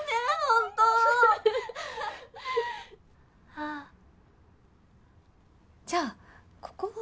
あっじゃあここは？